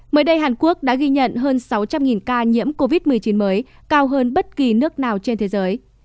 mới đây hàn quốc đã ghi nhận hơn sáu trăm linh ca nhiễm covid một mươi chín mới cao hơn bất kỳ nước nào trên thế giới